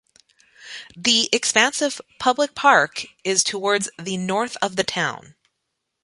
The expansive 'Public Park' is towards the north of the town.